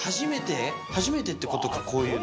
初めてってことかこういうの。